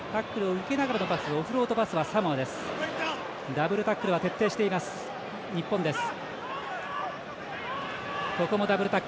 ダブルタックルは徹底しています日本です。